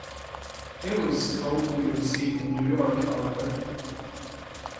It was coldly received in New York, however.